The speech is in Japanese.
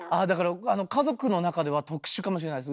家族の中では特殊かもしれないです。